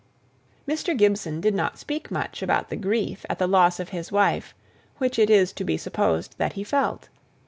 Mr. Gibson did not speak much about the grief at the loss of his wife, which it was supposed that he felt.